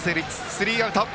スリーアウト。